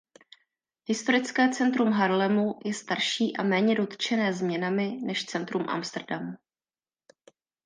Historické centrum Haarlemu je starší a méně dotčené změnami než centrum Amsterdamu.